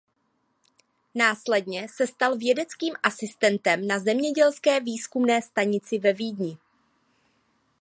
Následně se stal vědeckým asistentem na zemědělské výzkumné stanici ve Vídni.